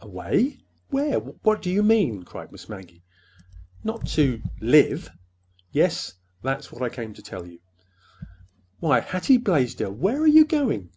"Away? Where? What do you mean?" cried Miss Maggie. "Not to—live!" "Yes. That's what I came to tell you." "Why, Hattie Blaisdell, where are you going?"